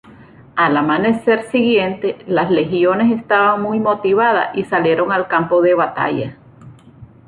Al amanecer siguiente, las legiones estaban muy motivadas y salieron al campo de batalla.